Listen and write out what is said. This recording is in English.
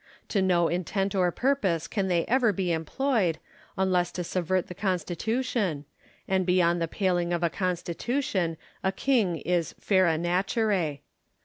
To no intent or purpose can they ever be employed, unless to subvert the Constitution ; and beyond the paling of a Constitution a king is /era naturoe.